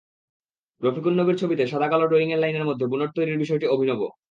রফিকুন নবীর ছবিতে সাদাকালো ড্রয়িংয়ে লাইনের মধ্যে বুনট তৈরির বিষয়টি অভিনব।